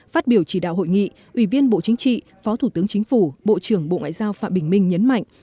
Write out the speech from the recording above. phát biểu chỉ đạo hội nghị ủy viên bộ chính trị phó thủ tướng chính phủ bộ trưởng bộ ngoại giao phạm bình minh nhấn mạnh